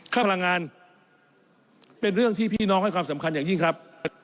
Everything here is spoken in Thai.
พลังงานเป็นเรื่องที่พี่น้องให้ความสำคัญอย่างยิ่งครับ